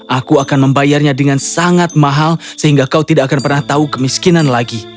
aku akan membayarnya dengan sangat mahal sehingga kau tidak akan pernah tahu kemiskinan lagi